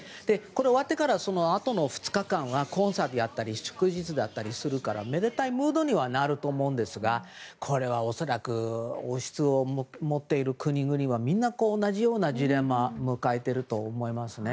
終わってからあとの２日間はコンサートやったり祝日だったりするからめでたいムードにはなると思うんですがこれは恐らく王室を持っている国々はみんな同じようなジレンマを迎えていると思いますね。